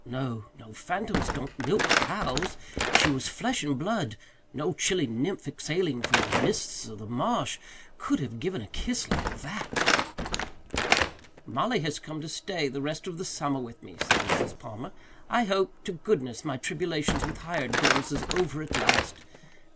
No, no, phantoms don't milk cows. She was flesh and blood. No chilly nymph exhaling from the mists of the marsh could have given a kiss like that." "Mollie has come to stay the rest of the summer with me," said Mrs. Palmer. "I hope to goodness my tribulations with hired girls is over at last.